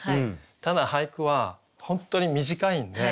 ただ俳句は本当に短いんで。